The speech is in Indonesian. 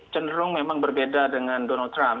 cenderung memang berbeda dengan donald trump